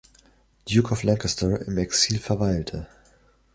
Duke of Lancaster im Exil verweilte.